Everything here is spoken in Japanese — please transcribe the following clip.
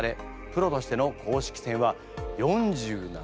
プロとしての公式戦は４７戦全勝。